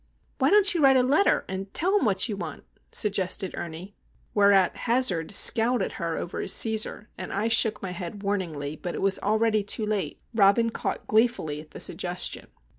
"Why don't you write a letter, and tell him what you want?" suggested Ernie. Whereat, Hazard scowled at her over his Cæsar, and I shook my head warningly; but it was already too late. Robin caught gleefully at the suggestion.